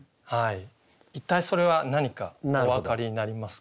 一体それは何かお分かりになりますか？